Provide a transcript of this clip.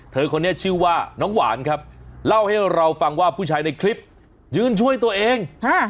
คนนี้ชื่อว่าน้องหวานครับเล่าให้เราฟังว่าผู้ชายในคลิปยืนช่วยตัวเอง